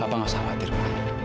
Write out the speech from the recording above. apa nggak usah khawatir pak